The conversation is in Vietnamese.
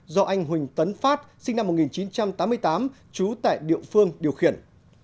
do anh huỳnh tấn phát sinh năm một nghìn chín trăm tám mươi tám trú tại địa phương điều khiển